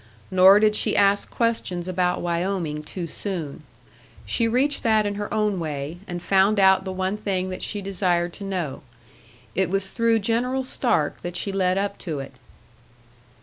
Nor did she ask questions about Wyoming too soon. She reached that in her own way, and found out the one thing that she desired to know. It was through General Stark that she led up to it.